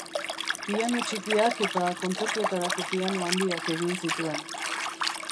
Piano txikiak eta kontzertuetarako piano handiak egin zituen.